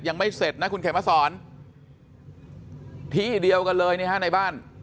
ยังไม่เสร็จนะคุณแข่มศรที่เดียวกันเลยในบ้าน